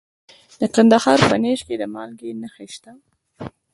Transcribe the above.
د کندهار په نیش کې د مالګې نښې شته.